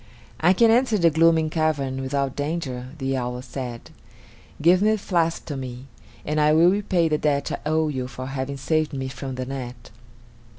"I can enter the gloomy cavern without danger," the owl said. "Give the flask to me, and I will repay the debt I owe you for having saved me from the net."